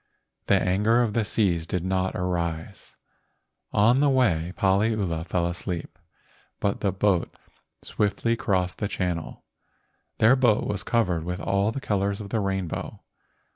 The anger of the seas did not arise. On the way Paliula fell asleep, but the boat swiftly crossed the channel. Their boat was covered with all the colors of the rainbow.